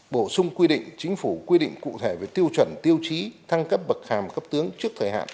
bổ sung quy định chính phủ quy định cụ thể về tiêu chuẩn tiêu chí thăng cấp bậc hàm cấp tướng trước thời hạn